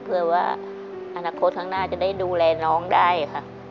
เพื่อว่าอนาคตข้างหน้าจะได้ดูแลน้องได้ค่ะ